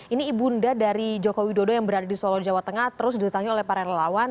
ini ibunda dari joko widodo yang berada di solo jawa tengah terus didatangi oleh para relawan